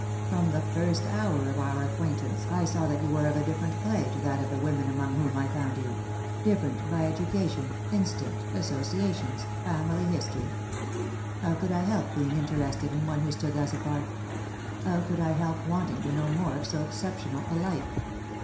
From the first hour of our acquaintance I saw that you were of a dif ferent clay to that of the women among whom I found you — different by education, instinct, associations, family history. How could I help being interested in one who stood thus apart? How could I help wanting to know more of so exceptional a life?"